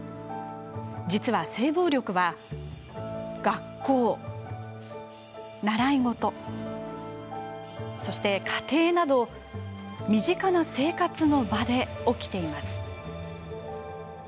実は性暴力は学校、習い事、家庭など身近な生活の場で起きています。